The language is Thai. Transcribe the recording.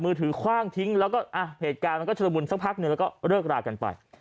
มือถือคว่างทิ้งแล้วก็เหตุการณ์มันก็ฉลบุญก็เลือกลากลักกันไป